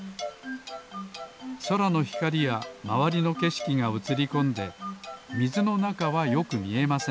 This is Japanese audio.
そらのひかりやまわりのけしきがうつりこんでみずのなかはよくみえません。